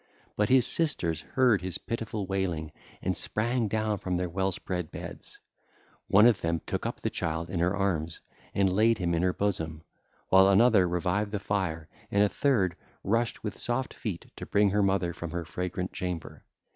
But his sisters heard his pitiful wailing and sprang down from their well spread beds: one of them took up the child in her arms and laid him in her bosom, while another revived the fire, and a third rushed with soft feet to bring their mother from her fragrant chamber.